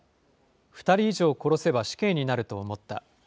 ２人以上殺せば死刑になると思った。